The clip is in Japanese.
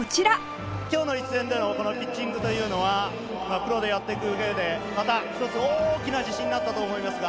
今日の一戦でのこのピッチングというのはプロでやっていく上でまた一つ大きな自信になったと思いますが。